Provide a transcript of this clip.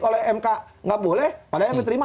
oleh mk nggak boleh padahal diterima